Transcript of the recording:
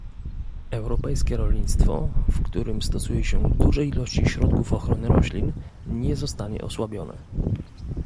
Europejskie rolnictwo, w którym stosuje się duże ilości środków ochrony roślin, nie zostanie osłabione